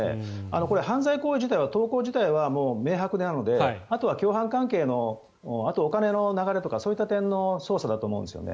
これ、犯罪行為自体は投稿自体は明白なのであとは共犯関係のあとはお金の流れとかそういった点の捜査だと思うんですよね。